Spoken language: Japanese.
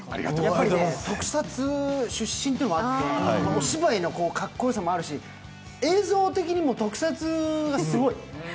特撮出身というのもあって、お芝居のかっこよさもあるし映像的にも特撮がすごい。